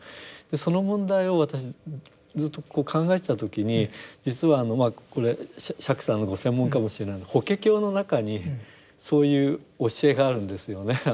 その問題を私ずっとこう考えてた時に実はあのこれ釈さんのご専門かもしれない「法華経」の中にそういう教えがあるんですよね。